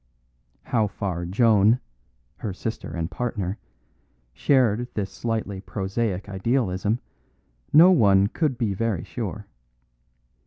How far Joan, her sister and partner, shared this slightly prosaic idealism no one could be very sure.